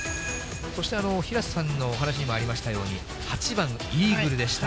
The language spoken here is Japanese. そして平瀬さんのお話にもありましたように、８番イーグルでした。